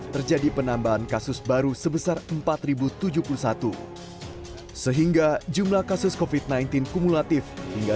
terjadi penambahan kasus baru sebesar empat ribu tujuh puluh satu sehingga jumlah kasus kofit sembilan belas kumulatif hingga